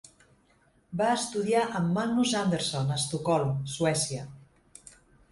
Va estudiar amb Magnus Andersson a Estocolm, Suècia.